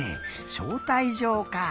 しょうたいじょうか。